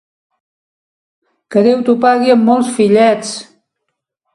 Que Déu t'ho pagui amb molts fillets!